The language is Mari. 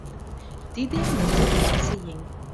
«Тиде незер тарзе еҥ